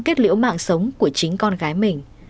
kết liễu mạng sống của chính con gái mình